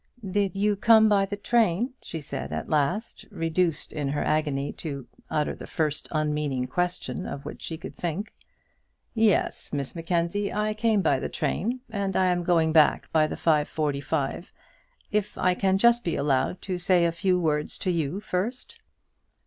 "Did you come by the train?" she said, at last, reduced in her agony to utter the first unmeaning question of which she could think. "Yes, Miss Mackenzie, I came by the train, and I am going back by the 5.45, if I can just be allowed to say a few words to you first."